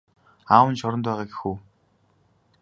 Аав нь шоронд байгаа гэх үү?